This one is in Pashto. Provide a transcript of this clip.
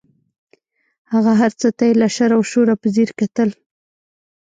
هغه هر څه ته بې له شر او شوره په ځیر کتل.